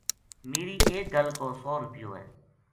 میری ایک گل کو سو رپیو ہے